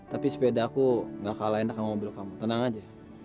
tapi sepeda aku nggak kalahin dengan mobil kamu tenang aja